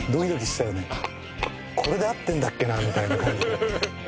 これで合ってるんだっけなみたいな感じで。